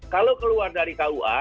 kalau keluar dari kua